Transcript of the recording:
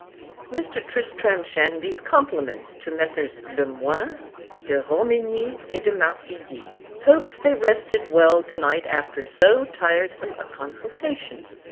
Mr. Tristram Shandy's compliments to Messrs. Le Moyne, De Romigny, and De Marcilly; hopes they all rested well the night after so tiresome a consultation.